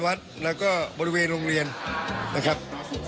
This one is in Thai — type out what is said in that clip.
วัดแล้วก็บริเวณโรงเรียนนะครับ